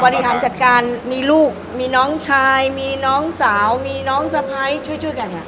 บริหารจัดการมีลูกมีน้องชายมีน้องสาวมีน้องสะพ้ายช่วยกันค่ะ